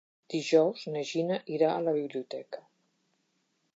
Dijous na Gina irà a la biblioteca.